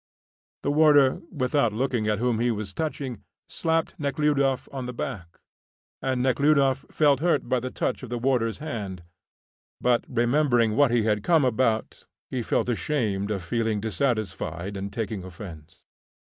The warder, without looking at whom he was touching, slapped Nekhludoff on the back, and Nekhludoff felt hurt by the touch of the warder's hand; but, remembering what he had come about, he felt ashamed of feeling dissatisfied and taking offence.